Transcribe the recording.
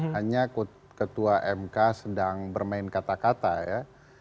hanya ketua mk sedang bermain kata kata ya